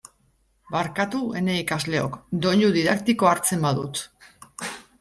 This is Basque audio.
Barkatu, ene ikasleok, doinu didaktikoa hartzen badut.